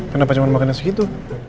kenapa cuma makannya segitu